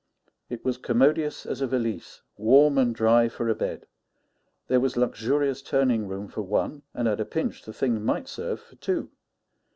It was commodious as a valise, warm and dry for a bed. There was luxurious turning room for one; and at a pinch the thing might serve for two.